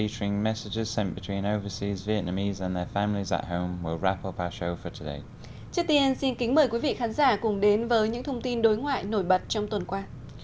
trước tiên xin kính mời quý vị khán giả cùng đến với những thông tin đối ngoại nổi bật trong tuần qua